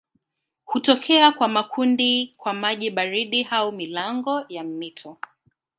Hutokea kwa makundi kwa maji baridi au milango ya mito.